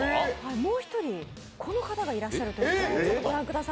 もう１人、この方がいらっしゃるということでご覧ください。